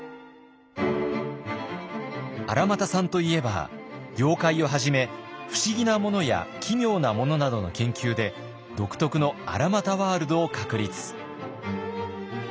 荒俣さんといえば妖怪をはじめ不思議なものや奇妙なものなどの研究で独特の荒俣ワールドを確立。